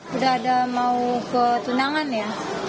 sudah ada mau ke tunangan ya